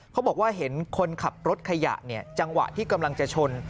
เขาบอกว่าเห็นคนขับรถขยะเนี่ยจังหวะที่กำลังจะชน